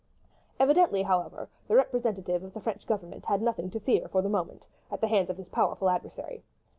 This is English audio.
Evidently, however, the representative of the French Government had nothing to fear for the moment, at the hands of his powerful adversary.